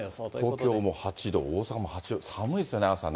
東京も８度、大阪も８度、寒いですね、朝ね。